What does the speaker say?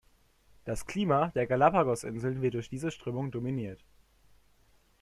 Das Klima der Galapagosinseln wird durch diese Strömung dominiert.